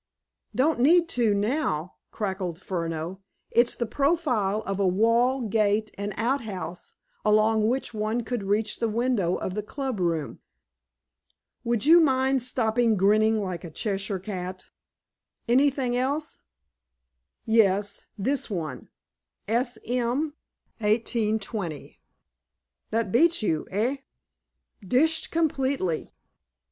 "Don't need to, now," cackled Furneaux. "It's the profile of a wall, gate, and outhouse along which one could reach the window of the club room. Would you mind stopping grinning like a Cheshire cat?" "Anything else?" "Yes. This one: 'S. M.? 1820.' That beats you, eh?" "Dished completely."